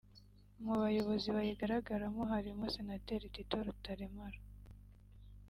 Mu bayobozi bayigaragaramo harimo Senateri Tito Rutaremara